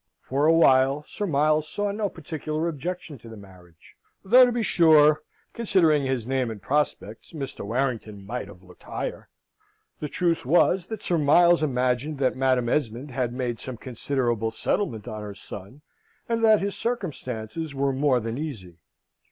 For a while Sir Miles saw no particular objection to the marriage; though, to be sure, considering his name and prospects, Mr. Warrington might have looked higher. The truth was, that Sir Miles imagined that Madam Esmond had made some considerable settlement on her son, and that his circumstances were more than easy.